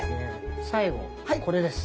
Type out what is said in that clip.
最後これです。